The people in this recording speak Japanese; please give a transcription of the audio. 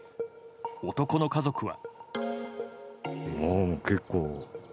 男の家族は？